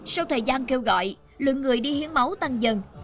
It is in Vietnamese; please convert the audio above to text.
sau thời gian kêu gọi lượng người đi hiến máu tăng dần